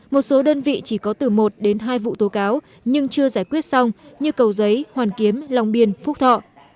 một số đơn vị chỉ có từ một đến hai vụ tố cáo nhưng chưa giải quyết xong như cầu giấy hoàn kiếm lòng biên phúc thọ